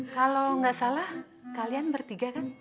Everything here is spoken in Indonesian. kalau nggak salah kalian bertiga kan